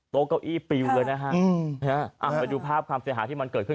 โต๊ะเก้าอี้ปริ้วเลยนะฮะอืมพยาบาร์คภาพความเสี่ยหาที่มันเกิดขึ้น